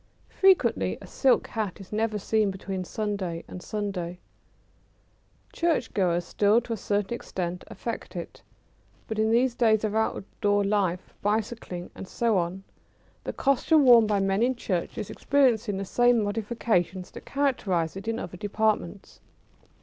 Frequently a silk hat is never seen between Sunday and Sunday. [Sidenote: Church going costume.] Churchgoers still, to a certain extent, affect it, but in these days of outdoor life, bicycling, and so on, the costume worn by men in church is experiencing the same modifications that characterise it in other departments.